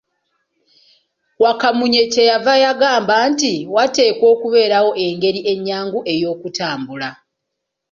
Wakamunye kye yava agamba nti, wateekwa okubeerawo engeri ennyangu ey'okutambula.